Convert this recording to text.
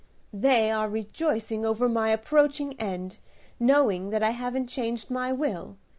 "They are rejoicing over my approaching end, knowing that I haven't changed my will.